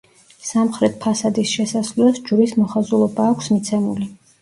სამხრეთ ფასადის შესასვლელს ჯვრის მოხაზულობა აქვს მიცემული.